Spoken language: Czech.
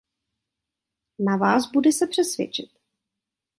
Na vás bude se přesvědčit.